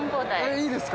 いいですか？